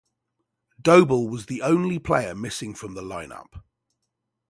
Doble was the only player missing from the line-up.